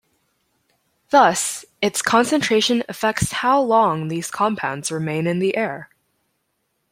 Thus, its concentration affects how long these compounds remain in the air.